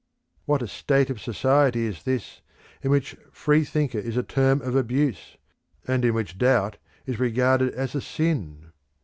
What a state of society is this in which "free thinker" is a term of abuse, and in which doubt is regarded as a sin!